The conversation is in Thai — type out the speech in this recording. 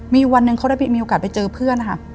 มีวันหนึ่งเขาได้มีโอกาสไปเจอเพื่อนค่ะ